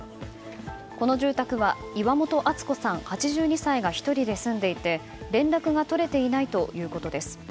この住宅は岩本淳子さん、８２歳が１人で住んでいて、連絡が取れていないということです。